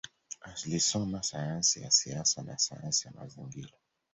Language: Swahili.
Alisoma sayansi ya siasa na sayansi ya mazingira.